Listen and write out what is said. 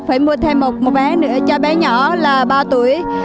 phải mua thêm một vé nữa cho bé nhỏ là ba tuổi